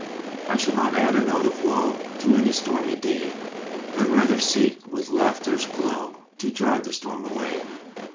I shall not add a note of woe To any stormy day, But rather seek with laughter s glow To drive the storm away.